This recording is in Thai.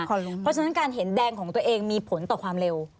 เพราะฉะนั้นการเห็นแดงของตัวเองมีผลต่อความเร็ว